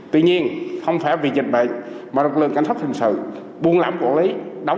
tuy nhiên không phải vì dịch bệnh mà lực lượng cảnh sát hình sự buôn lãm quản lý đóng